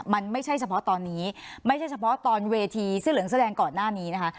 มันไม่ใช่เฉพาะตอนนี้ไม่ใช่เฉพาะตอนเวทีเสื้อเหลืองแสดงก่อนหน้านี้นะคะ